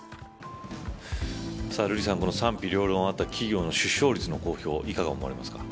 瑠麗さん、この賛否両論あった企業の出生率の公表いかが思われますか。